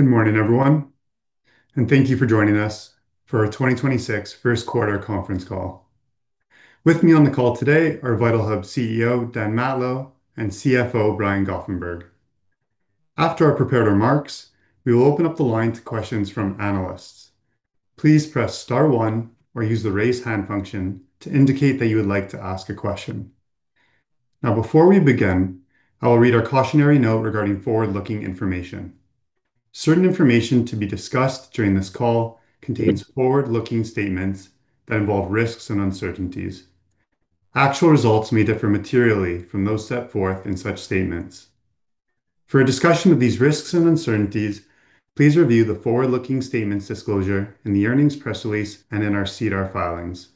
Good morning, everyone, and thank you for joining us for our 2026 first quarter conference call. With me on the call today are VitalHub CEO Dan Matlow and CFO Brian Goffenberg. After our prepared remarks, we will open up the line to questions from analysts. Please press star one or use the raise hand function to indicate that you would like to ask a question. Before we begin, I will read our cautionary note regarding forward-looking information. Certain information to be discussed during this call contains forward-looking statements that involve risks and uncertainties. Actual results may differ materially from those set forth in such statements. For a discussion of these risks and uncertainties, please review the forward-looking statements disclosure in the earnings press release and in our SEDAR filings.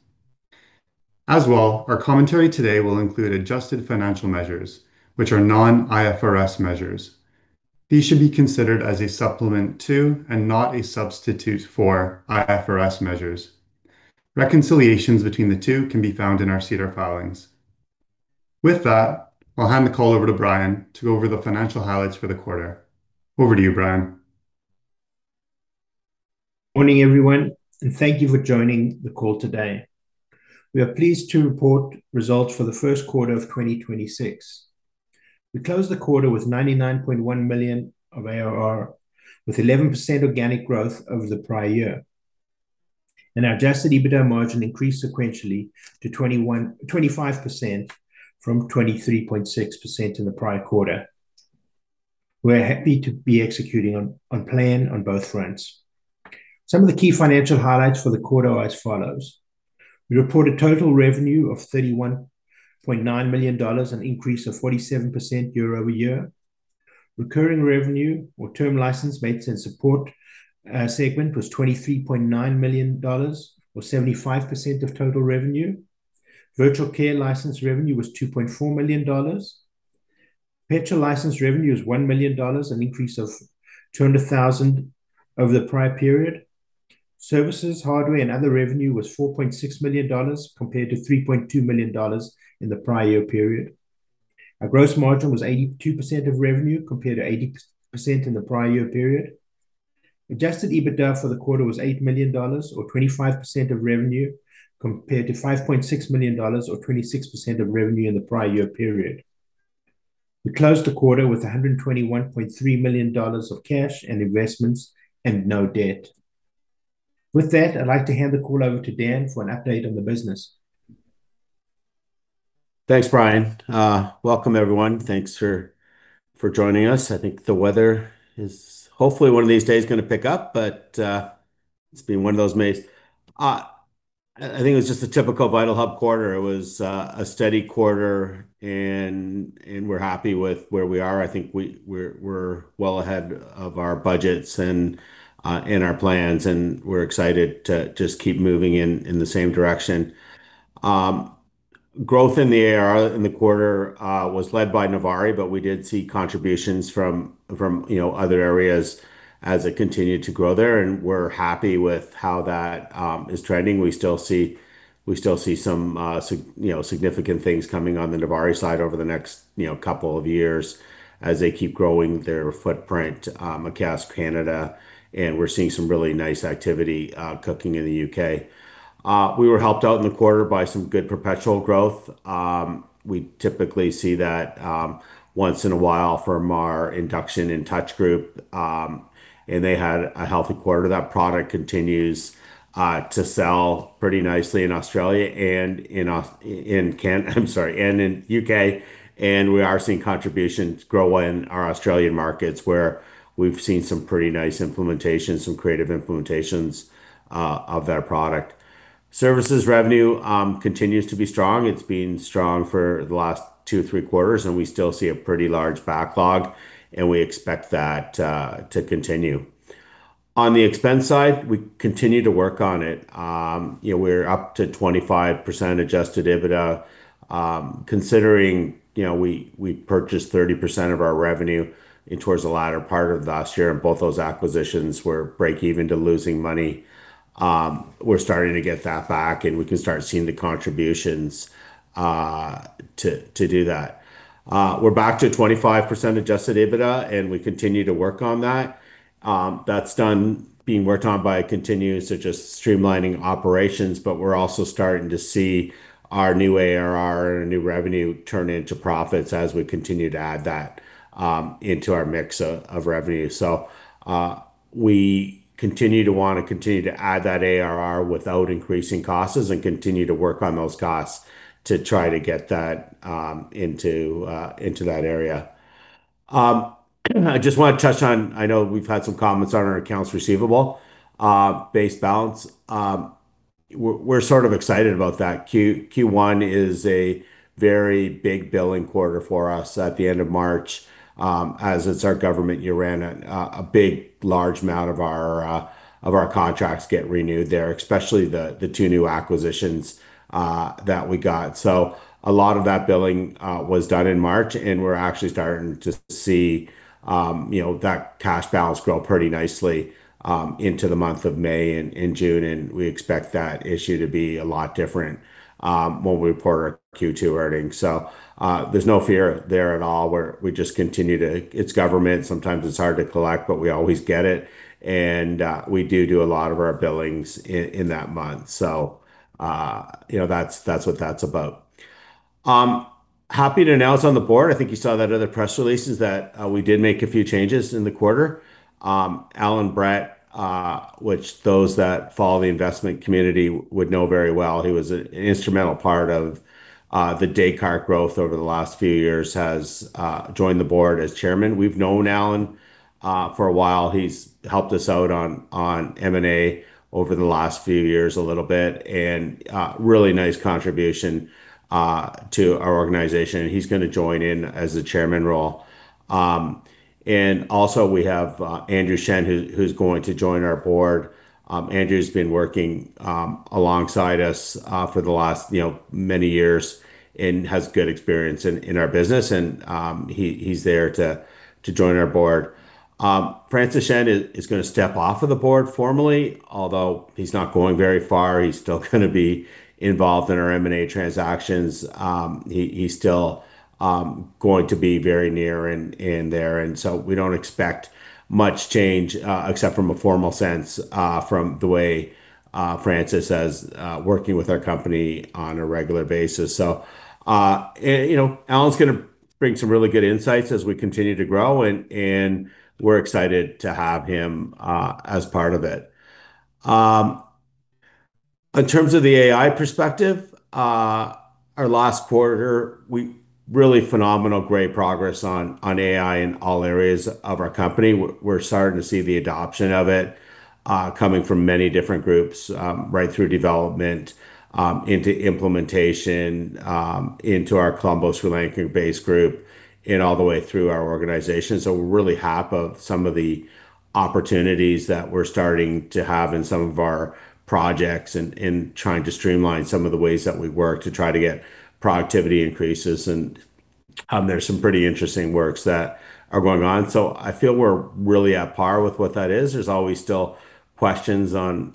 Our commentary today will include adjusted financial measures, which are non-IFRS measures. These should be considered as a supplement to, and not a substitute for, IFRS measures. Reconciliations between the two can be found in our SEDAR filings. With that, I'll hand the call over to Brian to go over the financial highlights for the quarter. Over to you, Brian. Morning, everyone, thank you for joining the call today. We are pleased to report results for the first quarter of 2026. We closed the quarter with 99.1 million of ARR, with 11% organic growth over the prior year. Our Adjusted EBITDA margin increased sequentially to 25% from 23.6% in the prior quarter. We're happy to be executing on plan on both fronts. Some of the key financial highlights for the quarter are as follows. We report a total revenue of 31.9 million dollars, an increase of 47% year-over-year. Recurring revenue or term license, maintenance and support segment was 23.9 million dollars or 75% of total revenue. Virtual care license revenue was 2.4 million dollars. Perpetual license revenue was 1 million dollars, an increase of 200,000 over the prior period. Services, hardware, and other revenue was 4.6 million dollars compared to 3.2 million dollars in the prior year period. Our gross margin was 82% of revenue compared to 80% in the prior year period. Adjusted EBITDA for the quarter was 8 million dollars or 25% of revenue compared to 5.6 million dollars or 26% of revenue in the prior year period. We closed the quarter with 121.3 million dollars of cash and investments and no debt. With that, I'd like to hand the call over to Dan for an update on the business. Thanks, Brian. Welcome everyone. Thanks for joining us. I think the weather is hopefully one of these days gonna pick up, but it's been one of those May. I think it was just a typical VitalHub quarter. It was a steady quarter and we're happy with where we are. I think we're well ahead of our budgets and our plans, and we're excited to just keep moving in the same direction. Growth in the ARR in the quarter was led by Novari, but we did see contributions from, you know, other areas as it continued to grow there, and we're happy with how that is trending. We still see some, you know, significant things coming on the Novari side over the next, you know, two years as they keep growing their footprint across Canada, and we're seeing some really nice activity cooking in the U.K. We were helped out in the quarter by some good perpetual growth. We typically see that once in a while from our Induction and Intouch group, and they had a healthy quarter. That product continues to sell pretty nicely in Australia and in U.K., and we are seeing contributions grow in our Australian markets where we've seen some pretty nice implementations, some creative implementations of that product. Services revenue continues to be strong. It's been strong for the last two, three quarters. We still see a pretty large backlog. We expect that to continue. On the expense side, we continue to work on it. You know, we're up to 25% Adjusted EBITDA. Considering, you know, we purchased 30% of our revenue in towards the latter part of last year, both those acquisitions were break even to losing money, we're starting to get that back, and we can start seeing the contributions to do that. We're back to 25% Adjusted EBITDA. We continue to work on that. That's done being worked on by continuous to just streamlining operations. We're also starting to see our new ARR, new revenue turn into profits as we continue to add that into our mix of revenue. We continue to want to continue to add that ARR without increasing costs and continue to work on those costs to try to get that into that area. I just wanna touch on, I know we've had some comments on our accounts receivable base balance. We're sort of excited about that. Q1 is a very big billing quarter for us at the end of March, as it's our government year-end, a big large amount of our of our contracts get renewed there, especially the two new acquisitions that we got. A lot of that billing was done in March, and we're actually starting to see that cash balance grow pretty nicely into the month of May and in June, and we expect that issue to be a lot different when we report our Q2 earnings. There's no fear there at all. We just continue to. It's government. Sometimes it's hard to collect, but we always get it and we do a lot of our billings in that month. That's what that's about. Happy to announce on the board, I think you saw that other press releases that we did make a few changes in the quarter. Allan Brett, which those that follow the investment community would know very well, he was an instrumental part of the Descartes growth over the last few years, has joined the board as Chairman. We've known Allan for a while. He's helped us out on M&A over the last few years a little bit and really nice contribution to our organization, and he's gonna join in as the Chairman role. Also we have Andrew Shen, who's going to join our board. Andrew's been working alongside us for the last, you know, many years and has good experience in our business and he's there to join our board. Francis Shen is gonna step off of the board formally, although he's not going very far. He's still gonna be involved in our M&A transactions. He's still going to be very near in there, and so we don't expect much change, except from a formal sense, from the way Francis is working with our company on a regular basis. You know, Allan's gonna bring some really good insights as we continue to grow and we're excited to have him as part of it. In terms of the AI perspective, our last quarter, we Really phenomenal, great progress on AI in all areas of our company. We're starting to see the adoption of it coming from many different groups, right through development, into implementation, into our Colombo, Sri Lanka-based group and all the way through our organization. We're really happy about some of the opportunities that we're starting to have in some of our projects and trying to streamline some of the ways that we work to try to get productivity increases. There's some pretty interesting works that are going on. I feel we're really at par with what that is. There's always still questions on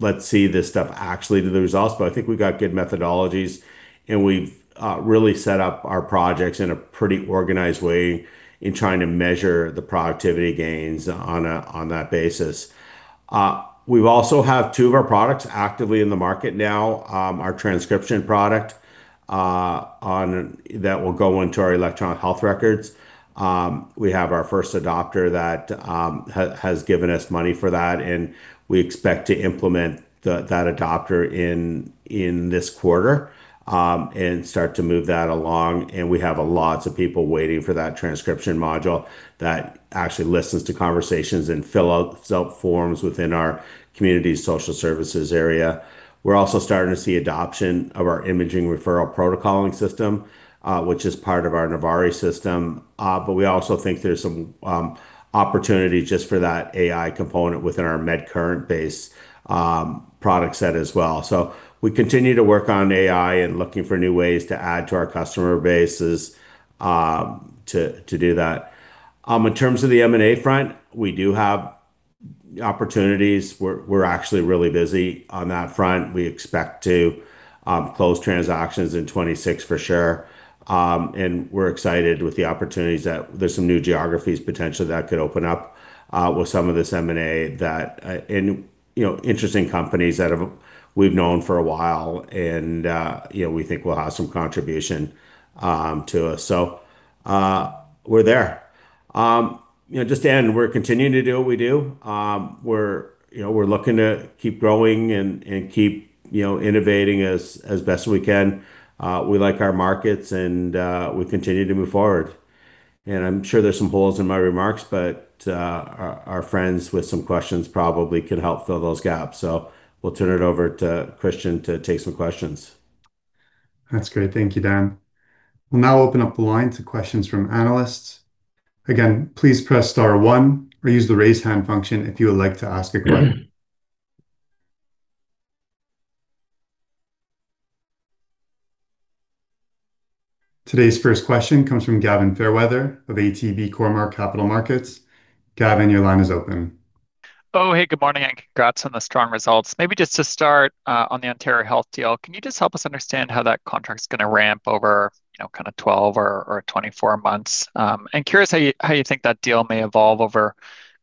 let's see this stuff actually to the results, but I think we've got good methodologies and we've really set up our projects in a pretty organized way in trying to measure the productivity gains on a, on that basis. We've also have two of our products actively in the market now. Our transcription product on that will go into our electronic health records. We have our first adopter that has given us money for that, and we expect to implement that adopter in this quarter and start to move that along, and we have a lot of people waiting for that transcription module that actually listens to conversations and fills out forms within our community social services area. We're also starting to see adoption of our imaging referral protocoling system, which is part of our Novari system. We also think there's some opportunity just for that AI component within our MedCurrent base product set as well. We continue to work on AI and looking for new ways to add to our customer bases to do that. In terms of the M&A front, we do have opportunities. We're actually really busy on that front. We expect to close transactions in 2026 for sure. We're excited with the opportunities that there's some new geographies potentially that could open up with some of this M&A that, you know, interesting companies that we've known for a while and, you know, we think will have some contribution to us. We're there. You know, just to end, we're continuing to do what we do. We're, you know, we're looking to keep growing and keep, you know, innovating as best we can. We like our markets and we continue to move forward. I'm sure there's some holes in my remarks, but our friends with some questions probably can help fill those gaps. We'll turn it over to Christian to take some questions. That's great. Thank you, Dan. We'll now open up the line to questions from analysts. Again, please press star 1 or use the raise hand function if you would like to ask a question. Today's first question comes from Gavin Fairweather of ATB Cormark Capital Markets. Gavin, your line is open. Oh, hey, good morning. Congrats on the strong results. Maybe just to start, on the Ontario Health deal, can you just help us understand how that contract's gonna ramp over, you know, kind of 12 or 24 months? Curious how you think that deal may evolve over,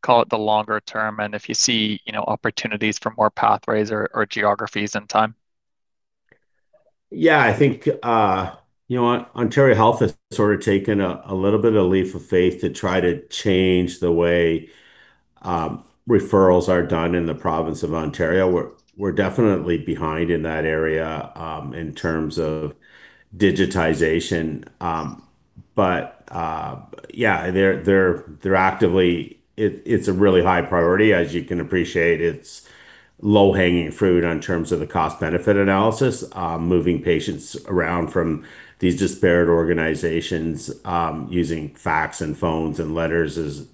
call it the longer term, and if you see, you know, opportunities for more pathways or geographies in time. Yeah. I think, you know what? Ontario Health has sort of taken a little bit of a leap of faith to try to change the way referrals are done in the province of Ontario. We're definitely behind in that area in terms of digitization. Yeah, they're actively. It's a really high priority. As you can appreciate, it's low-hanging fruit on terms of the cost-benefit analysis, moving patients around from these disparate organizations, using fax and phones and letters is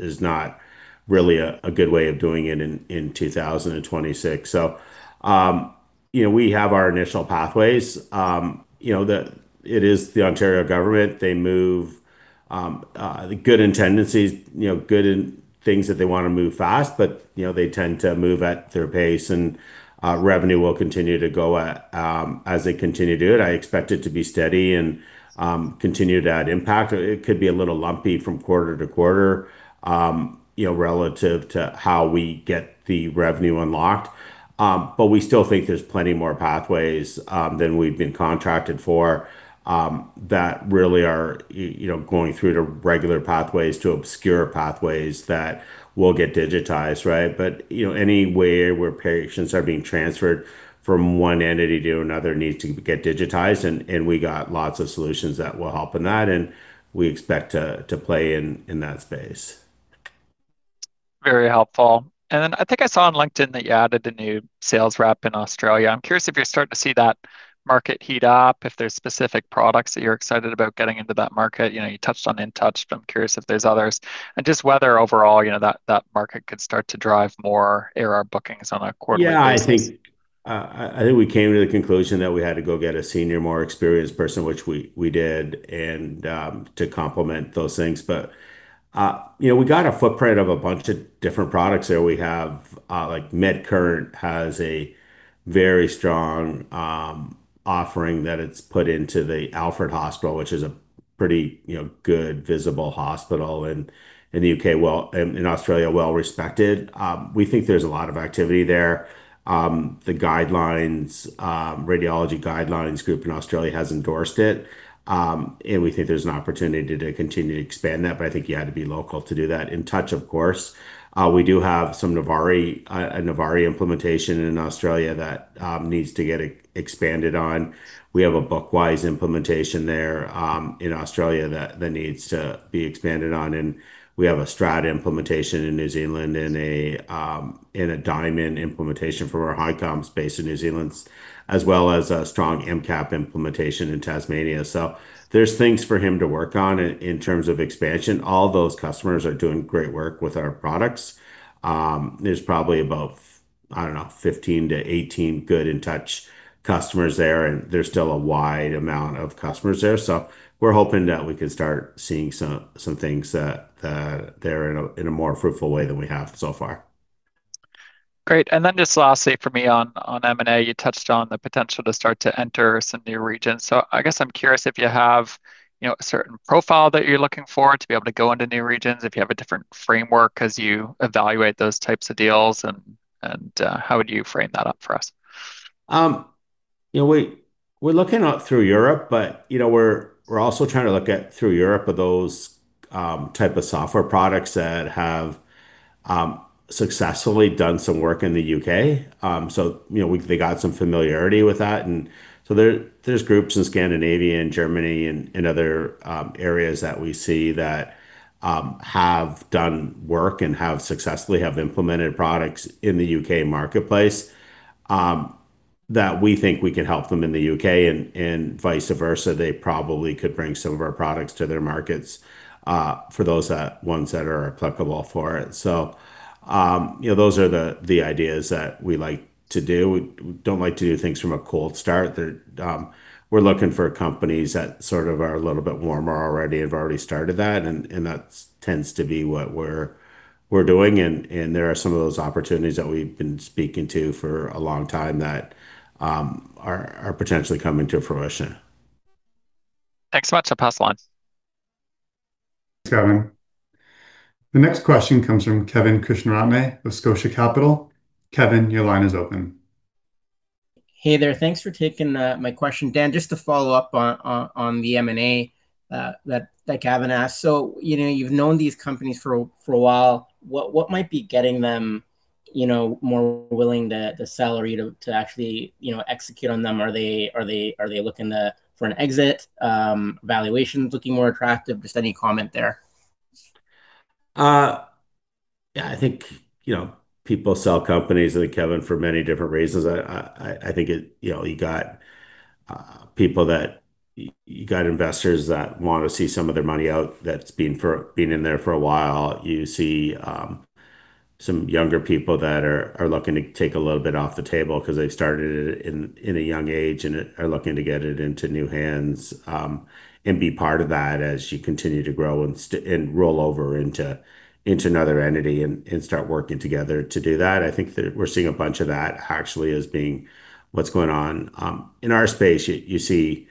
not really a good way of doing it in 2026. You know, we have our initial pathways. You know, it is the Ontario government. They move, good in tendencies, you know, good in things that they wanna move fast, but, you know, they tend to move at their pace and revenue will continue to go at as they continue to do it. I expect it to be steady and continue to add impact. It could be a little lumpy from quarter-to-quarter, you know, relative to how we get the revenue unlocked. We still think there's plenty more pathways than we've been contracted for that really are, you know, going through the regular pathways to obscure pathways that will get digitized, right? You know, anywhere where patients are being transferred from one entity to another needs to get digitized and we got lots of solutions that will help in that, and we expect to play in that space. Very helpful. I think I saw on LinkedIn that you added a new sales rep in Australia. I'm curious if you're starting to see that market heat up, if there's specific products that you're excited about getting into that market. You know, you touched on Intouch, but I'm curious if there's others, and just whether overall, you know, that market could start to drive more ARR bookings on a quarterly basis. Yeah, I think we came to the conclusion that we had to go get a senior, more experienced person, which we did, and to complement those things. You know, we got a footprint of a bunch of different products there. We have, like MedCurrent has a very strong offering that it's put into the Alfred Hospital, which is a pretty, you know, good visible hospital in the U.K. Well, in Australia, well-respected. We think there's a lot of activity there. The guidelines, radiology guidelines group in Australia has endorsed it. We think there's an opportunity to continue to expand that, but I think you had to be local to do that. Intouch, of course. We do have some Novari, a Novari implementation in Australia that needs to get expanded on. We have a BookWise implementation there, in Australia that needs to be expanded on. We have a Strata implementation in New Zealand and a Diamond implementation for our Hicom based in New Zealand, as well as a strong MCAP implementation in Tasmania. There's things for him to work on in terms of expansion. All those customers are doing great work with our products. There's probably about, I don't know, 15-18 good InTouch customers there. There's still a wide amount of customers there. We're hoping that we can start seeing some things that there in a more fruitful way than we have so far. Great. Then just lastly for me on M&A, you touched on the potential to start to enter some new regions. I guess I'm curious if you have, you know, a certain profile that you're looking for to be able to go into new regions, if you have a different framework as you evaluate those types of deals, and how would you frame that up for us? You know, we're looking out through Europe, but, you know, we're also trying to look at through Europe of those type of software products that have successfully done some work in the U.K. You know, they got some familiarity with that. There, there's groups in Scandinavia and Germany and other areas that we see that have done work and have successfully have implemented products in the U.K. marketplace that we think we can help them in the U.K. and vice versa. They probably could bring some of our products to their markets for those ones that are applicable for it. You know, those are the ideas that we like to do. We don't like to do things from a cold start. We're looking for companies that sort of are a little bit warmer already, have already started that, and that's tends to be what we're doing. There are some of those opportunities that we've been speaking to for a long time that are potentially coming to fruition. Thanks so much. I'll pass the line. Thanks, Gavin. The next question comes from Kevin Krishnaratne of Scotia Capital. Kevin, your line is open. Hey there. Thanks for taking my question. Dan, just to follow up on the M&A that Gavin asked. You know, you've known these companies for a while. What might be getting them, you know, more willing to sell or even to actually, you know, execute on them? Are they looking for an exit? Valuations looking more attractive? Just any comment there. Yeah, I think, you know, people sell companies, Kevin, for many different reasons. I think it, you know, you got investors that wanna see some of their money out that's been in there for a while. You see, some younger people that are looking to take a little bit off the table 'cause they started it in a young age and are looking to get it into new hands and be part of that as you continue to grow and roll over into another entity and start working together to do that. I think that we're seeing a bunch of that actually as being what's going on. In our space, you see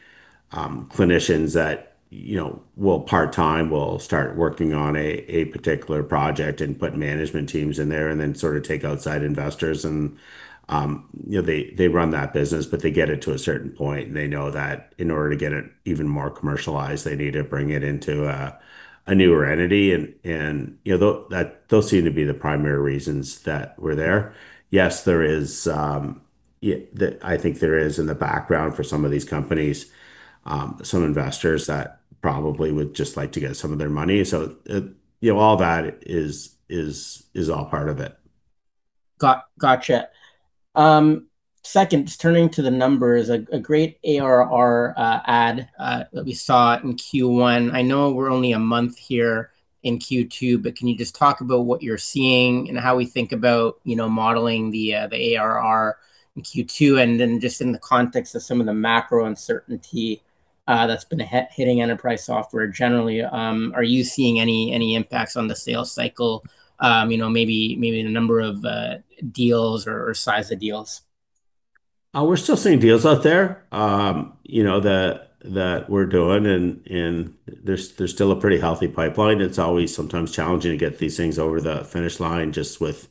clinicians that, you know, will part-time, will start working on a particular project and put management teams in there and then sort of take outside investors and, you know, they run that business, but they get it to a certain point, and they know that in order to get it even more commercialized, they need to bring it into a newer entity. You know, those seem to be the primary reasons that we're there. Yes, there is, I think there is in the background for some of these companies, some investors that probably would just like to get some of their money. You know, all that is, is all part of it. Gotcha. Second, turning to the numbers, a great ARR add that we saw in Q1. I know we're only a month here in Q2, can you just talk about what you're seeing and how we think about, you know, modeling the ARR in Q2? Just in the context of some of the macro uncertainty that's been hitting enterprise software generally, are you seeing any impacts on the sales cycle, you know, maybe in the number of deals or size of deals? We're still seeing deals out there, you know, that we're doing and there's still a pretty healthy pipeline. It's always sometimes challenging to get these things over the finish line just with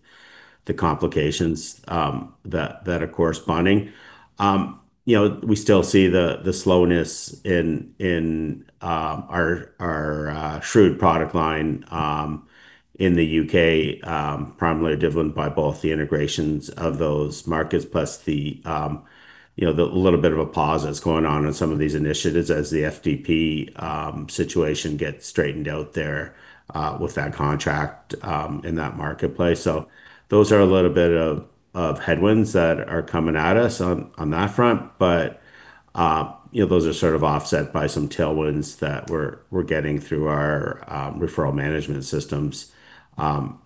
the complications that are corresponding. You know, we still see the slowness in our SHREWD product line in the U.K., primarily driven by both the integrations of those markets plus the, you know, the little bit of a pause that's going on in some of these initiatives as the FDP situation gets straightened out there with that contract in that marketplace. Those are a little bit of headwinds that are coming at us on that front. you know, those are sort of offset by some tailwinds that we're getting through our referral management systems,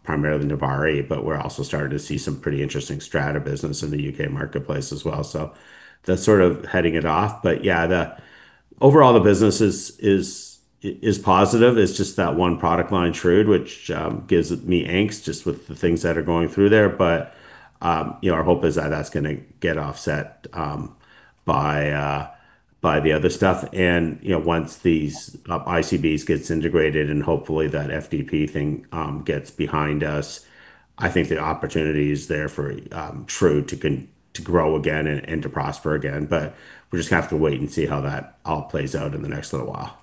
primarily Novari, but we're also starting to see some pretty interesting Strata business in the U.K. marketplace as well. That's sort of heading it off. Yeah, the overall the business is positive. It's just that one product line, SHREWD, which gives me angst just with the things that are going through there. you know, our hope is that that's gonna get offset by the other stuff. you know, once these ICBs gets integrated and hopefully that FDP thing gets behind us, I think the opportunity is there for SHREWD to grow again and to prosper again. We're just gonna have to wait and see how that all plays out in the next little while.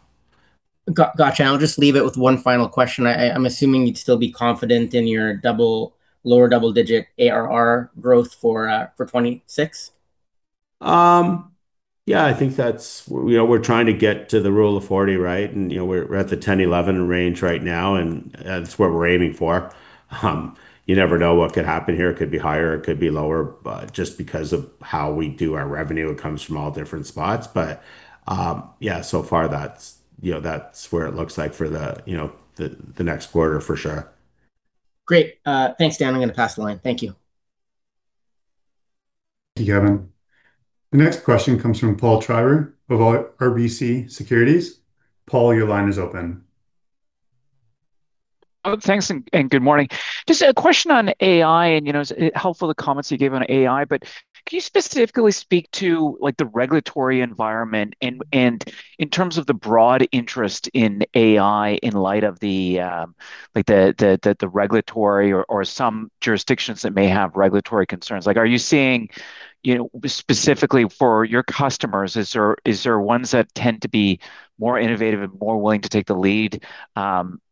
Gotcha. I'll just leave it with one final question. I'm assuming you'd still be confident in your lower double-digit ARR growth for 2026? Yeah, I think that's, you know, we're trying to get to the Rule of 40, right? You know, we're at the 10, 11 range right now, and that's what we're aiming for. You never know what could happen here. It could be higher, it could be lower. Just because of how we do our revenue, it comes from all different spots. Yeah, so far that's, you know, that's where it looks like for the, you know, the next quarter for sure. Great. thanks, Dan. I'm gonna pass the line. Thank you. Thank you, Kevin. The next question comes from Paul Treiber of RBC Capital Markets. Paul, your line is open. Thanks, and good morning. Just a question on AI, you know, it's helpful the comments you gave on AI, but can you specifically speak to, like, the regulatory environment and in terms of the broad interest in AI in light of the regulatory or some jurisdictions that may have regulatory concerns? Like, are you seeing, you know, specifically for your customers, is there ones that tend to be more innovative and more willing to take the lead,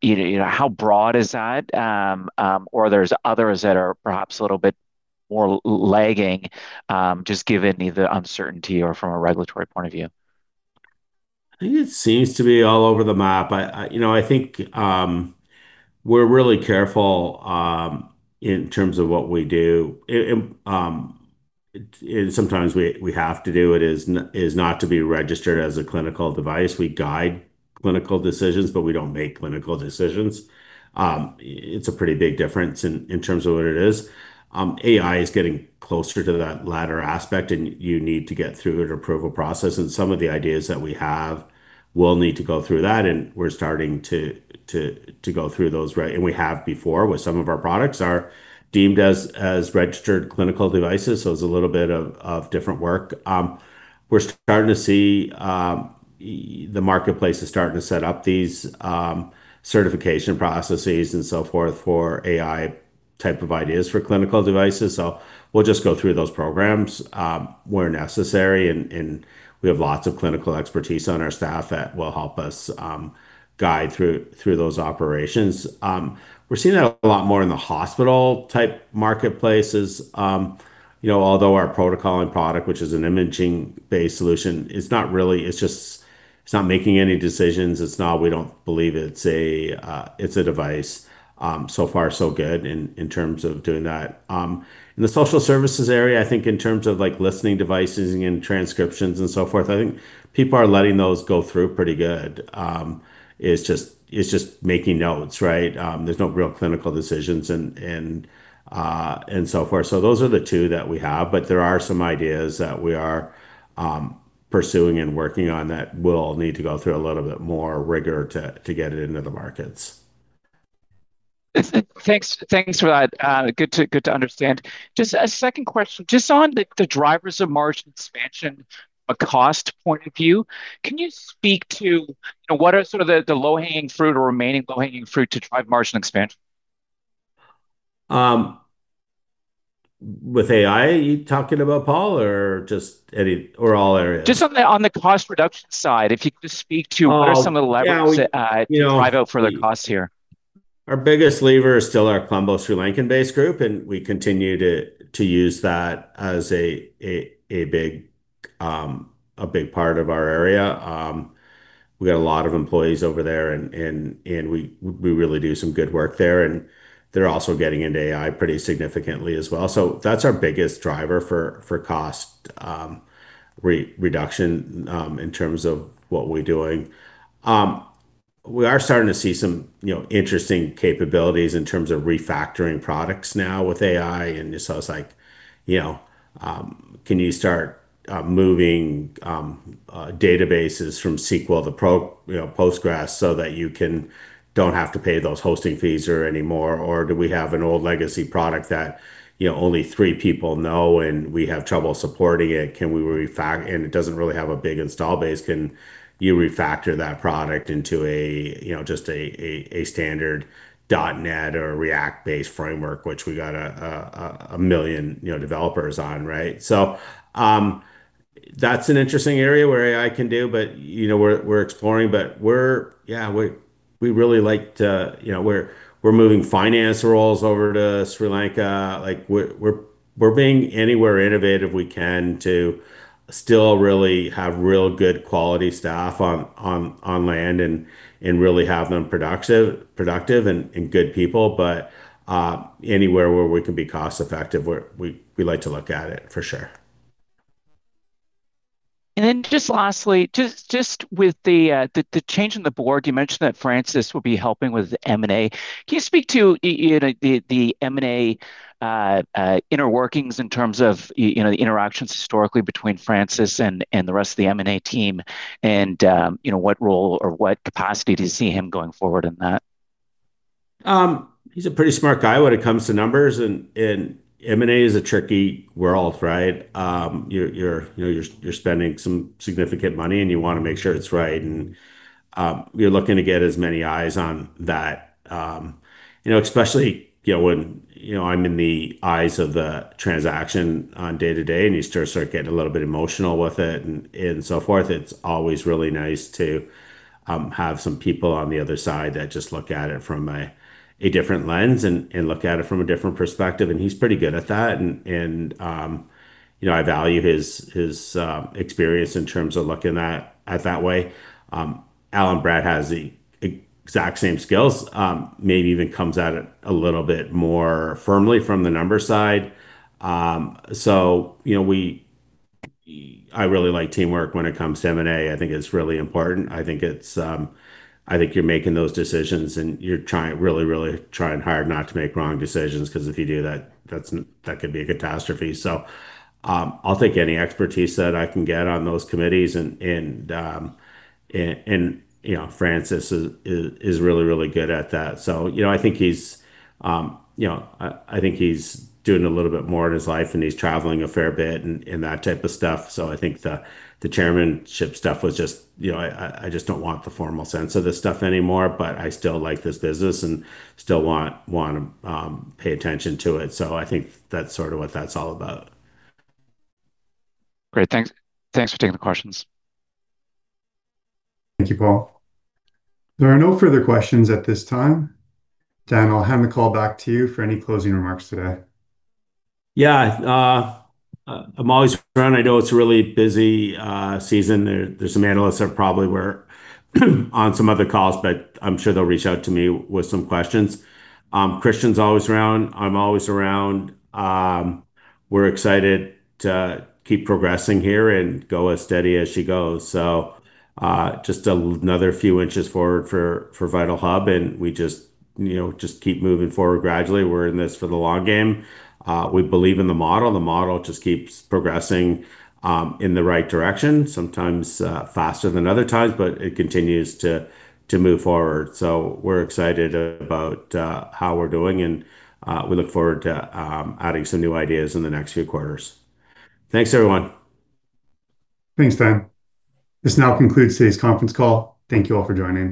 you know? How broad is that? There's others that are perhaps a little bit more lagging, just given either uncertainty or from a regulatory point of view. I think it seems to be all over the map. I, you know, I think we're really careful in terms of what we do. Sometimes we have to do it is not to be registered as a clinical device. We guide clinical decisions, but we don't make clinical decisions. It's a pretty big difference in terms of what it is. AI is getting closer to that latter aspect, and you need to get through an approval process. Some of the ideas that we have will need to go through that, and we're starting to go through those, right? We have before with some of our products are deemed as registered clinical devices, so it's a little bit of different work. We're starting to see, the marketplace is starting to set up these certification processes and so forth for AI-type of ideas for clinical devices. We'll just go through those programs where necessary. We have lots of clinical expertise on our staff that will help us guide through those operations. We're seeing that a lot more in the hospital-type marketplaces. You know, although our protocol and product, which is an imaging-based solution, it's not really making any decisions. We don't believe it's a device. So far so good in terms of doing that. In the social services area, I think in terms of like listening devices and transcriptions and so forth, I think people are letting those go through pretty good. It's just making notes, right? There's no real clinical decisions and so forth. Those are the two that we have, but there are some ideas that we are pursuing and working on that will need to go through a little bit more rigor to get it into the markets. Thanks for that. Good to understand. Just a second question. Just on the drivers of margin expansion from a cost point of view, can you speak to, you know, what are sort of the low-hanging fruit or remaining low-hanging fruit to drive margin expansion? With AI you talking about, Paul, or just any or all areas? Just on the cost reduction side, if you could just speak to. Oh What are some of the levers? Yeah. Uh- You know. To drive out further costs here. Our biggest lever is still our Colombo, Sri Lankan-based group, and we continue to use that as a big part of our area. We got a lot of employees over there and we really do some good work there, and they're also getting into AI pretty significantly as well. That's our biggest driver for cost reduction in terms of what we're doing. We are starting to see some, you know, interesting capabilities in terms of refactoring products now with AI and just how it's like, you know, can you start moving databases from SQL to PostgreSQL so that you don't have to pay those hosting fees or anymore? Do we have an old legacy product that, you know, only three people know, and we have trouble supporting it? It doesn't really have a big install base. Can you refactor that product into a, you know, just a, a standard .NET or React-based framework, which we got 1 million, you know, developers on, right? That's an interesting area where AI can do, but, you know, we're exploring. Yeah, we really like to, you know, we're moving finance roles over to Sri Lanka. Like, we're being anywhere innovative we can to still really have real good quality staff on land and really have them productive and good people. Anywhere where we can be cost-effective, we like to look at it, for sure. Just lastly, just with the change in the board, you mentioned that Francis will be helping with M&A. Can you speak to, you know, the M&A inner workings in terms of, you know, the interactions historically between Francis and the rest of the M&A team? You know, what role or what capacity do you see him going forward in that? He's a pretty smart guy when it comes to numbers and M&A is a tricky world, right? You're, you know, you're spending some significant money, and you wanna make sure it's right. You're looking to get as many eyes on that. You know, especially, you know, when, you know, I'm in the eyes of the transaction on day-to-day, and you start getting a little bit emotional with it and so forth. It's always really nice to have some people on the other side that just look at it from a different lens and look at it from a different perspective, and he's pretty good at that. You know, I value his experience in terms of looking at that way. Allan Brett has the exact same skills, maybe even comes at it a little bit more firmly from the numbers side. You know, I really like teamwork when it comes to M&A. I think it's really important. I think it's, I think you're making those decisions, and you're really trying hard not to make wrong decisions, 'cause if you do that's, that could be a catastrophe. I'll take any expertise that I can get on those committees and, you know, Francis Shen is really good at that. You know, I think he's, you know, I think he's doing a little bit more in his life, and he's traveling a fair bit and that type of stuff. I think the chairmanship stuff was just, you know, I just don't want the formal sense of this stuff anymore, but I still like this business and still want, wanna pay attention to it. I think that's sort of what that's all about. Great. Thanks. Thanks for taking the questions. Thank you, Paul. There are no further questions at this time. Dan, I'll hand the call back to you for any closing remarks today. I'm always around. I know it's a really busy season. There's some analysts that probably were on some other calls, but I'm sure they'll reach out to me with some questions. Christian's always around. I'm always around. We're excited to keep progressing here and go as steady as she goes. Another few inches forward for VitalHub, and we just, you know, keep moving forward gradually. We're in this for the long game. We believe in the model. The model just keeps progressing in the right direction, sometimes faster than other times, but it continues to move forward. We're excited about how we're doing and we look forward to adding some new ideas in the next few quarters. Thanks, everyone. Thanks, Dan. This now concludes today's conference call. Thank you all for joining.